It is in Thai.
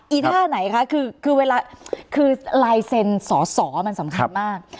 อีท่าไหนคะคือลายเซนสอมันสำคัญมาก